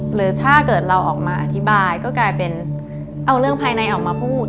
หรือถ้าเกิดเราออกมาอธิบายก็กลายเป็นเอาเรื่องภายในออกมาพูด